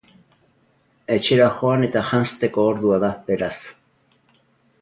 Etxera joan eta janzteko ordua da, beraz.